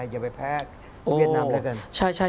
อย่าไปแพ้เวียดนามแล้วกัน